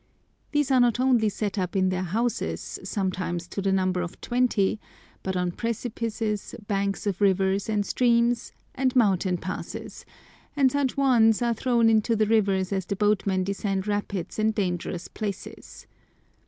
These are not only set up in their houses, sometimes to the number of twenty, but on precipices, banks of rivers and streams, and mountain passes, and such wands are thrown into the rivers as the boatmen descend rapids and dangerous places.